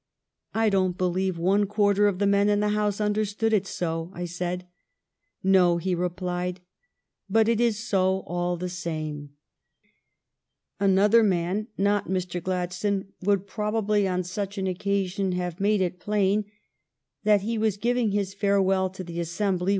" I don't believe one quarter of the men in the House understand it so," I said. " No," he replied, " but it is so all the same." "THE LONG DAY'S TASK IS DONE" 389 Another man, not Mr. Gladstone, would prob ably on such an occasion have made it plain that he was giving his final farewell to the assembly r.